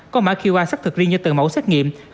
có mã qr xác thực riêng như tờ mẫu xác nghiệm